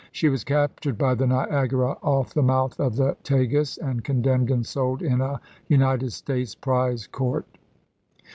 She was captured fnEurope?" by the Niagara off the mouth of the Tagus, and P. 264." condemned and sold in a United States prize court.